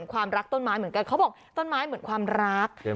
ความรักต้นไม้เหมือนกันเขาบอกต้นไม้เหมือนความรัก